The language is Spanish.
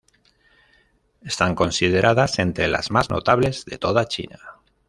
Están consideradas entre las más notables de toda China.